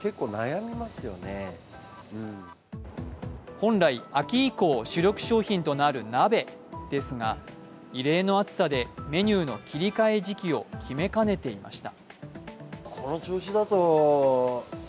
本来、秋以降主力商品となる鍋ですが、異例の暑さでメニューの切り替え時期を決めかねていました。